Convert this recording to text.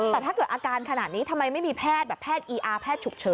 แต่ถ้าเกิดอาการขนาดนี้ทำไมไม่มีแพทย์แบบแพทย์อีอาร์แพทย์ฉุกเฉิน